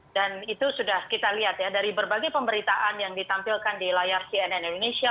dan itu sudah kita lihat ya dari berbagai pemberitaan yang ditampilkan di layar cnn indonesia